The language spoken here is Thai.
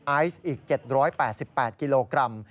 ไอซ์อีก๗๘๘กิโลกรัม